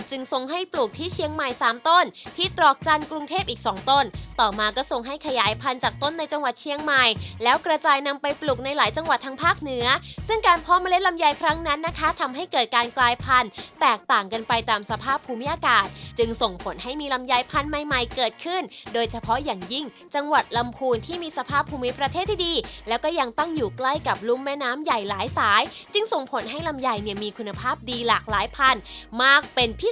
แล้วก็ส่งให้ปลูกที่เชียงใหม่๓ต้นที่ตรอกจันทร์กรุงเทพอีก๒ต้นต่อมาก็ส่งให้ขยายพันจากต้นในจังหวัดเชียงใหม่แล้วกระจายนำไปปลูกในหลายจังหวัดทางภาคเหนือซึ่งการพอเมล็ดลำไยครั้งนั้นนะคะทำให้เกิดการกลายพันแตกต่างกันไปตามสภาพภูมิอากาศจึงส่งผลให้มีลำไยพันใหม่เกิดข